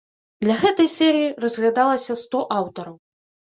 Для гэтай серыі разглядалася сто аўтараў.